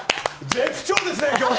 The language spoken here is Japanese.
絶不調ですね、今日！